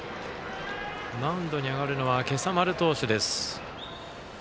マウンドに上がるのは今朝丸投手です。